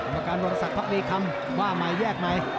ธรรมการบริษัทพักดีคำขว้าใหม่แยกใหม่